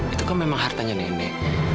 itu kan memang hartanya nenek